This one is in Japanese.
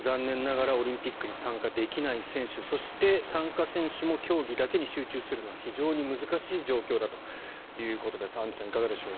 残念ながらオリンピックに参加できない選手そして、参加選手も競技だけに集中するのが非常に難しい状況だということです。